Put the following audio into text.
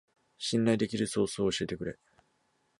信頼できるソースを教えてくれ